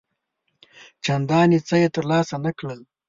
چنداني څه یې تر لاسه نه کړل.